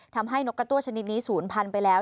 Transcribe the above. ทำให้นกกระตั้วชนิดนี้สูญพันธุ์ไปแล้ว